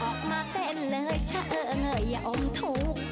ออกมาเต้นเลยเฉอเงยอมถูก